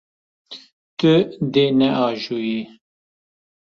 Tu dê neajoyî.